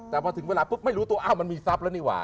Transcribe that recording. แต่พอถึงเวลาปุ๊บไม่รู้ตัวอ้าวมันมีทรัพย์แล้วนี่หว่า